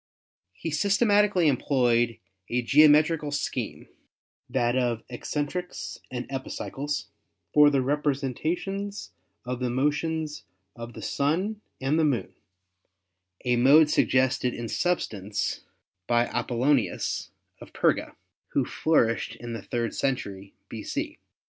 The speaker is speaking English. He systematically employed a geometri cal scheme (that of eccentrics and epicycles) for the repre sentations of the motions of the Sun and the Moon, a mode suggested in substance by Apollonius of Perga, who flourished in the third century b.c.